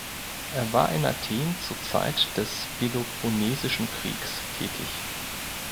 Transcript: Er war in Athen zur Zeit des Peloponnesischen Kriegs tätig.